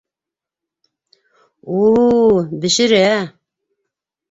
У-у... бешерә!